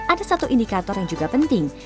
ada satu indikator yang juga penting